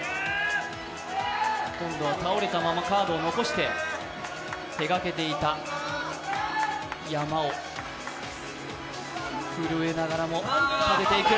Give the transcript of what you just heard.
今度は倒れたままカードを残して、手がけていた山を震えながらも立てていく。